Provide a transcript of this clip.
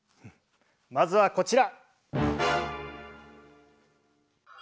まずはこちら。